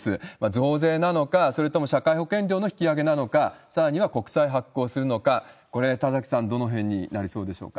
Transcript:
増税なのか、それとも社会保険料の引き上げなのか、さらには国債を発行するのか、これ、田崎さん、どのへんになりそうですか？